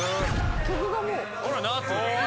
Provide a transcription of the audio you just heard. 曲がもう。